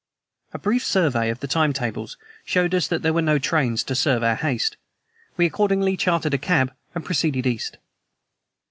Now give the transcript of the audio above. A brief survey of the time tables showed us that there were no trains to serve our haste. We accordingly chartered a cab and proceeded east.